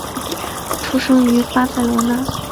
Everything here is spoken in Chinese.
出生于巴塞罗那。